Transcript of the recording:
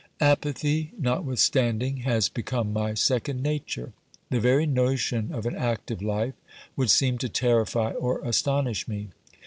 Apathy notwithstanding has become my second nature. The very notion of an active life would seem to terrify or astonish me.